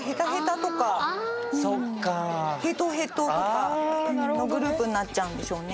「へとへと」とかのグループになっちゃうんでしょうね。